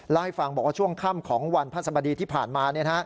เล่าให้ฟังบอกว่าช่วงค่ำของวันพระสมดีที่ผ่านมา